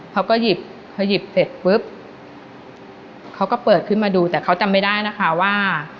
เขาก็หยิบเขาหยิบเสร็จปุ๊บเขาก็เปิดขึ้นมาดูแต่เขาจำไม่ได้นะคะว่า